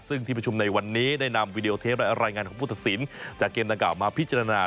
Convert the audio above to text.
ซึ่งที่ประชุมในวันนี้ได้นำวีดีโอเทปและรายงานของผู้ตัดสินจากเกมดังกล่าวมาพิจารณา